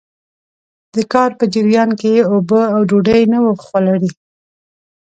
د کار په جريان کې يې اوبه او ډوډۍ نه وو خوړلي.